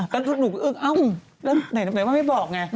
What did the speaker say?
ตอนนั้นหนูอึ๊บเอ้าไหนว่าไม่บอกไง